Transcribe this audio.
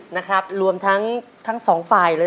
นะครับรวมทั้ง๒ฝ่ายเลย